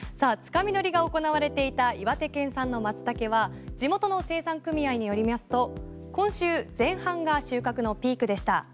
つかみ取りが行われていた岩手県産のマツタケは地元の生産組合によりますと今週前半が収穫のピークでした。